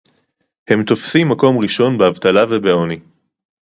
הם תופסים מקום ראשון באבטלה ובעוני